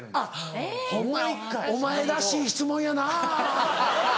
えぇ？お前らしい質問やな。